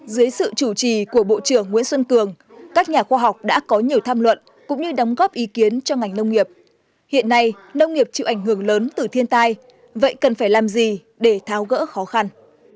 dưới sự chủ trì của bộ trưởng nguyễn xuân cường các nhà khoa học đã có nhiều tham luận cũng như đóng góp ý kiến cho ngành nông nghiệp hiện nay nông nghiệp chịu ảnh hưởng lớn từ thiên tai vậy cần phải làm gì để tháo gỡ khó khăn